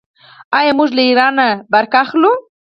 آیا موږ له ایران بریښنا اخلو؟